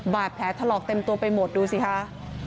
บาดแผลถลอกเต็มตัวไปหมดดูสิคะ